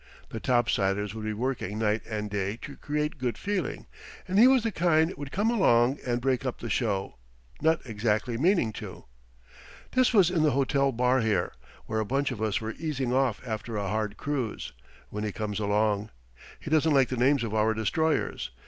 The topsiders would be working night and day to create good feeling, and he was the kind would come along and break up the show not exactly meaning to. This was in the hotel bar here, where a bunch of us were easing off after a hard cruise, when he comes along. He doesn't like the names of our destroyers.